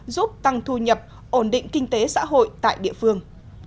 giúp tăng thu nhập ổn định kinh tế xã hội tại địa phương